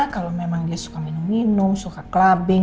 kalau memang dia suka minum minum suka clubbing